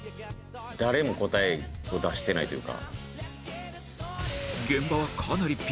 誰も答えを出してないというか。